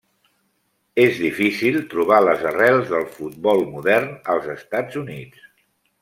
És difícil trobar les arrels del futbol modern als Estats Units.